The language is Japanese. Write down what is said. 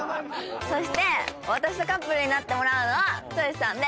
そして私とカップルになってもらうのは剛さんです！